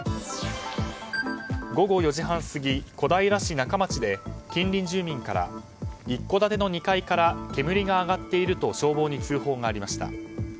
午後４時半過ぎ、小平市仲町で近隣住民から一戸建ての２階から煙が上がっていると消防に通報がありました。